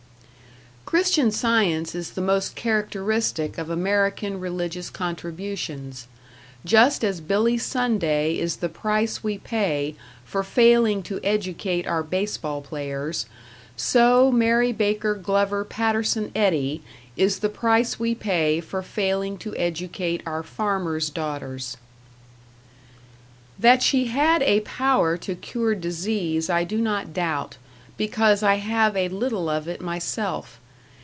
Christian Science is the most characteristic of American religious contributions. Just as Billy Sunday is the price we pay for failing to educate our base ball players, so Mary Baker Glover Patterson Eddy is the price we pay for failing to educate our farmer's daughters. That she had a power to cure disease I do not doubt, because I have a little of it myself.